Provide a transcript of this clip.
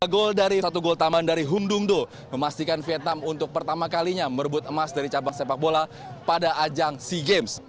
tiga gol dari satu gol tambahan dari hum dungdo memastikan vietnam untuk pertama kalinya merebut emas dari cabang sepak bola pada ajang sea games